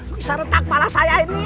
bisa retak pala saya ini